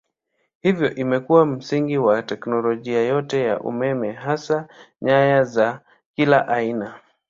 Hivyo imekuwa msingi wa teknolojia yote ya umeme hasa nyaya za kila aina.